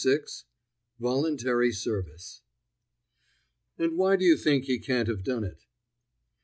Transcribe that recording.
VI VOLUNTARY SERVICE "And why do you think he can't have done it?"